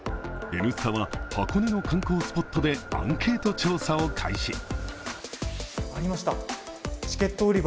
「Ｎスタ」は、箱根の観光スポットでアンケート調査を開始。